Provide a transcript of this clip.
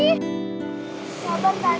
ya sabar banget ini